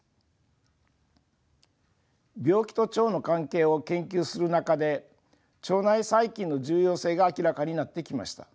病気と腸の関係を研究する中で腸内細菌の重要性が明らかになってきました。